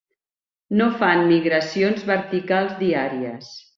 No fan migracions verticals diàries.